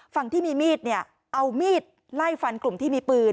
ฝั่งที่มีมีดเนี่ยเอามีดไล่ฟันกลุ่มที่มีปืน